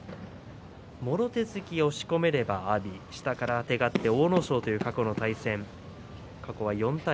もろ手突き、押し込めれば阿炎下からあてがって阿武咲という過去の対戦過去は４対２。